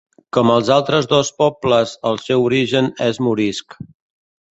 Com els altres dos pobles, el seu origen és morisc.